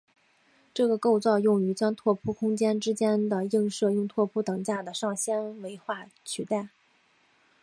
这个构造用于将拓扑空间之间的映射用拓扑等价的上纤维化取代。